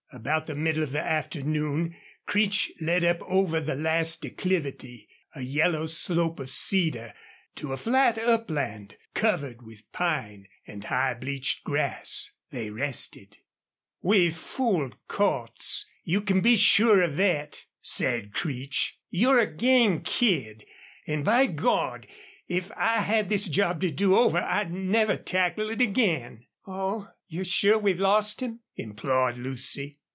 About the middle of the afternoon Creech led up over the last declivity, a yellow slope of cedar, to a flat upland covered with pine and high bleached grass. They rested. "We've fooled Cordts, you can be sure of thet," said Creech. "You're a game kid, an', by Gawd! if I had this job to do over I'd never tackle it again!" "Oh, you're sure we've lost him?" implored Lucy.